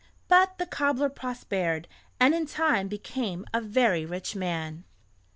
But the cobbler prospered, and in time became a very rich man.